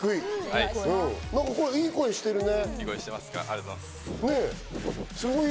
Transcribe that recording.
いい声してるね。